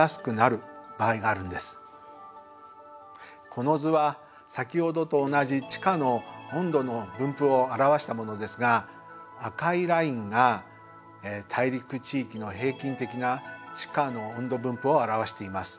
この図はさきほどと同じ地下の温度の分布を表したものですが赤いラインが大陸地域の平均的な地下の温度分布を表しています。